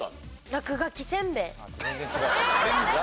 落書きせんべい？